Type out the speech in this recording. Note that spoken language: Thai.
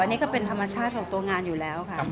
อันนี้ก็เป็นธรรมชาติของตัวงานอยู่แล้วค่ะ